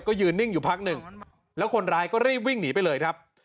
ก็ยืนนิ่งอยู่พักหนึ่งแล้วคนร้ายก็รีบวิ่งหนีไปเลยครับ